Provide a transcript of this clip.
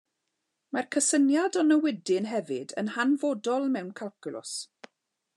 Mae'r cysyniad o newidyn hefyd yn hanfodol mewn calcwlws.